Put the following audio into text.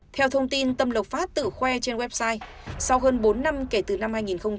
theo thông tin tâm lộc phát tự khoe trên website sau hơn bốn năm kể từ năm hai nghìn một mươi